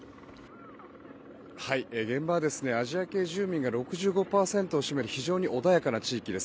現場はアジア系住民が６５％を占める非常に穏やかな地域です。